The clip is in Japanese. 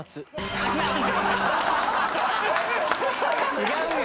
違うよ！